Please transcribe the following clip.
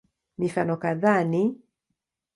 Mifano kadhaa ni